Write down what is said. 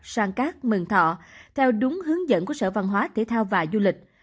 sang cát mừng thọ theo đúng hướng dẫn của sở văn hóa thể thao và du lịch